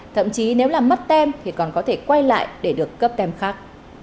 thậm chí nếu là mất tem thì còn có thể quay lại để được cấp tem khác